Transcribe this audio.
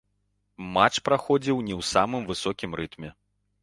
Матч праходзіў не ў самым высокім рытме.